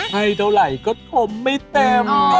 ให้เท่าไหร่ก็ทมไม่เต็ม